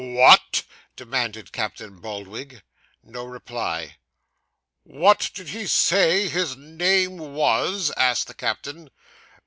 'What?' demanded Captain Boldwig. No reply. 'What did he say his name was?' asked the captain.